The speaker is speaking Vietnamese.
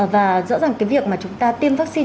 và rõ ràng cái việc mà chúng ta tiêm vaccine